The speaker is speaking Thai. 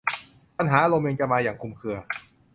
ปัญหาอารมณ์ยังจะมาอย่างคลุมเครือ